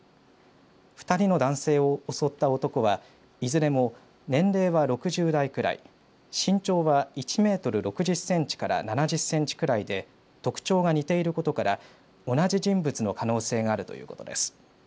２人の男性を襲った男はいずれも年齢は６０代くらい身長は１メートル６０センチから７０センチくらいで特徴が似ていることから同じ人物の可能性があるということです。